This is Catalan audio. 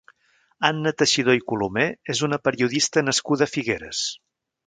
Anna Teixidor i Colomer és una periodista nascuda a Figueres.